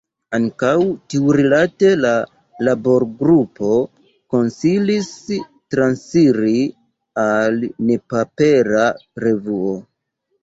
Ankaŭ tiurilate la labor-grupo konsilis transiri al nepapera revuo.